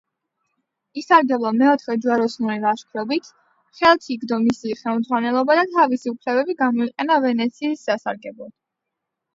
ისარგებლა მეოთხე ჯვაროსნული ლაშქრობით, ხელთ იგდო მისი ხელმძღვანელობა და თავისი უფლებები გამოიყენა ვენეციის სასარგებლოდ.